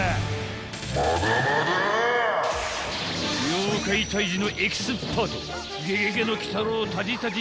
［妖怪退治のエキスパートゲゲゲの鬼太郎たじたじ